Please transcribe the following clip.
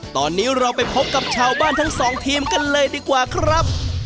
ตอนนี้เราไปพบกับชาวบ้านทั้งสองทีมกันเลยดีกว่าครับ